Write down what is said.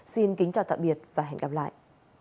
xin kính chào tạm biệt và hẹn gặp lại